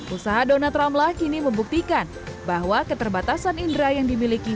usaha donald trumpla kini membuktikan bahwa keterbatasan indera yang dimiliki